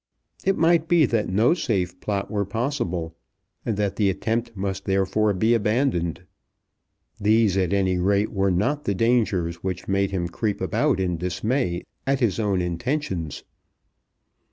It might be that no safe plot were possible, and that the attempt must therefore be abandoned. These, at any rate, were not the dangers which made him creep about in dismay at his own intentions.